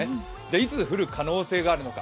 いつ降る可能性があるのか。